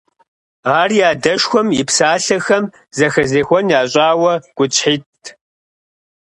Ар и адэшхуэм и псалъэхэм зэхэзехуэн ящӀауэ, гуитӀщхьитӀт…